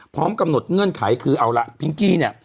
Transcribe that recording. พร้อมกำหนดเงื่อนไขคือเอาละพิงกี้เนี่ย